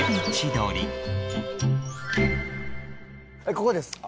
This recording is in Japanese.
ここです。